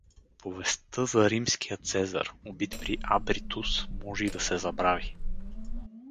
Повестта за римския цезар, убит при Абритус, може и да се забрави.